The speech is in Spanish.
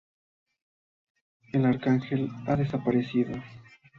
El arcángel ha desaparecido.